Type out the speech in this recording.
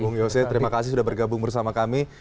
bung yose terima kasih sudah bergabung bersama kami